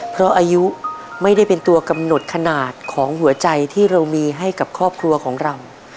เพราะอายุไม่ได้เป็นตัวกำหนดขนาดของหัวใจที่เรามีให้กับครอบครัวของเรา